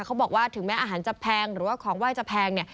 เขาบอกว่าถึงแม้อาหารจะแพงหรือว่าของไหว้จะแพงเนี่ย